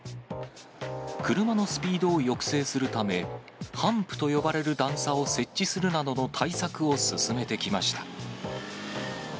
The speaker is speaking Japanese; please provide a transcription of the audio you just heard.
車のスピードを抑制するため、ハンプと呼ばれる段差を設置するなどの対策を進めてきました。